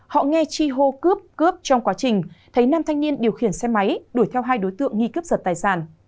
họ nghe chi hô cướp cướp trong quá trình thấy nam thanh niên điều khiển xe máy đuổi theo hai đối tượng nghi cướp giật tài sản